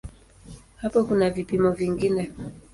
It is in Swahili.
Hapo kuna vipimo vingine.